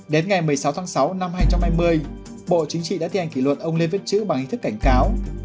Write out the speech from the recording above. đến ngày một mươi sáu tháng sáu năm hai nghìn hai mươi bộ chính trị đã thi hành kỷ luật ông lê viết chữ bằng hình thức cảnh cáo